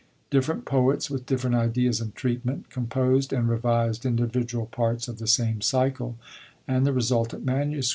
Different poets, with different ideas and treatment, composed and re vised individual parts of the same cycle, and the resultant MSS.